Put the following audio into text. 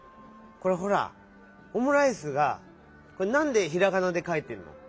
これほら「オムライス」がなんでひらがなでかいてるの？